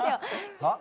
はっ？